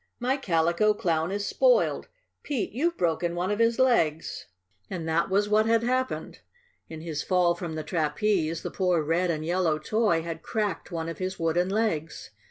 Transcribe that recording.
"My Calico Clown is spoiled! Pete, you've broken one of his legs!" And that was what had happened. In his fall from the trapeze the poor red and yellow toy had cracked one of his wooden legs.